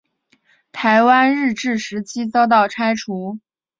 台湾日治时期遭到拆除。